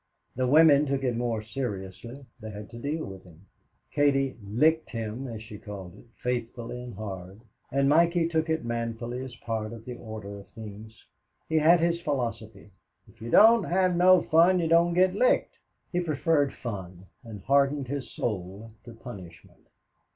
The women took it more seriously they had to deal with him. Katie "licked" him, as she called it, faithfully and hard; and Mikey took it manfully as part of the order of things. He had his philosophy: "If you don't have no fun you don't git licked." He preferred fun, and hardened his soul to punishment.